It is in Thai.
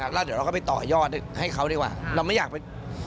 แล้วเดี๋ยวเราก็ไปต่อยอดให้เขาดีกว่าเราไม่อยากไป